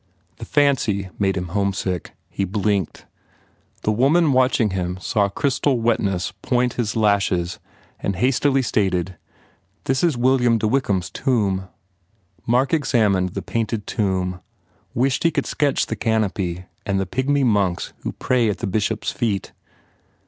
The fancy made him homesick. He blinked. The woman watching him saw crystal wetness point his lashes and hastily stated, "This is William de Wyke ham s tomb." Mark examined the painted tomb, wished he could sketch the canopy and the pygmy monks who pray at the Bishop s feet.